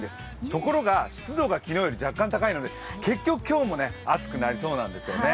ところが湿度が昨日より若干高いので、結局今日も暑くなりそうなんですよね。